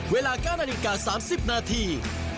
เวลา๙นาฬิกา๓๐นาที